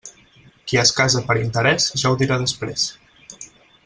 Qui es casa per interès ja ho dirà després.